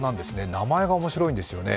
名前が面白いんですよね。